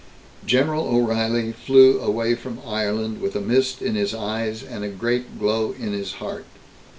General O'Reilly flew away from Ireland with a mist in his eyes and a great glow in his heart.